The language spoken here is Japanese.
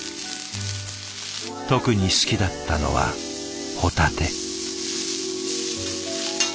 特に好きだったのはホタテ。